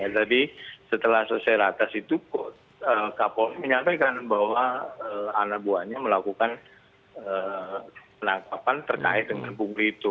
jadi setelah selesai ratas itu kapolri menyampaikan bahwa anak buahnya melakukan penangkapan terkait dengan pungli itu